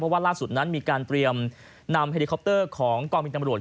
เพราะว่าล่าสุดนั้นมีการเตรียมนำใหต้คร็อปเตอร์ของกล่องกีดน้ำโมรถ